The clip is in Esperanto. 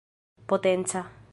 potenca